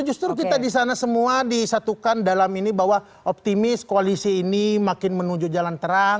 justru kita di sana semua disatukan dalam ini bahwa optimis koalisi ini makin menuju jalan terang